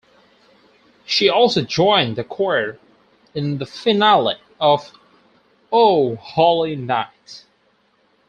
She also joined the choir in the finale of "O Holy Night".